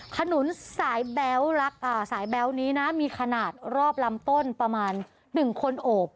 ขนุนสายแบ๊วสายแบ๊วนี้นะมีขนาดรอบลำต้นประมาณ๑คนโอบ